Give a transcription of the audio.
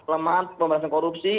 lemah pemberantasan korupsi